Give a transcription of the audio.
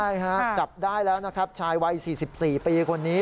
ใช่ฮะจับได้แล้วนะครับชายวัย๔๔ปีคนนี้